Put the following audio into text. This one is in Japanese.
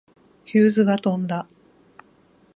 ヒューズが飛んだ。